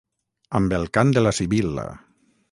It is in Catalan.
amb el cant de la Sibil·la